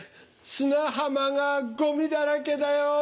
砂浜がごみだらけだよ。